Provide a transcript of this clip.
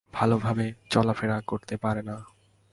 ভালোভাবে চলাফেরা করতে পারে না।